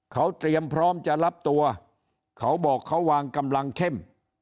เขาเตรียมพร้อมจะรับตัวเขาบอกเขาวางกำลังเข้ม